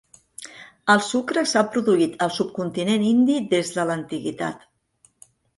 El sucre s'ha produït al subcontinent indi des de l'antiguitat.